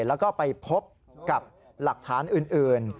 แล้วก็ไปพบกับหลักฐานอื่น